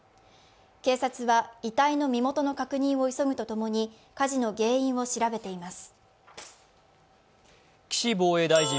警察は遺体の身元の確認を急ぐとともに火事の原因を調べています。